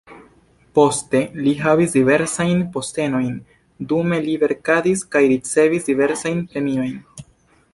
Poste li havis diversajn postenojn, dume li verkadis kaj ricevis diversajn premiojn.